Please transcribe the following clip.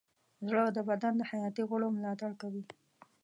زړه د بدن د حیاتي غړو ملاتړ کوي.